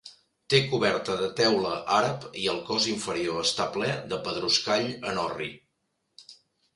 Té coberta de teula àrab i el cos inferior està ple de pedruscall en orri.